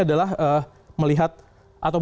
adalah melihat atau